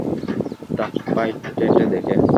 দাস ভাই হেঁটে হেঁটে দেখে।